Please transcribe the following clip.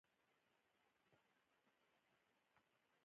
چې ستا خوبونه او هیلې له منځه یوسي.